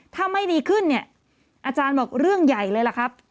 ถ้าไม่ดีขึ้นอาจารย์บอกเรื่องใหญ่เลย